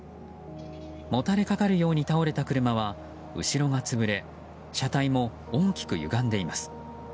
もたれかかるように倒れた車は後ろが潰れ車体も大きくゆがんでいます。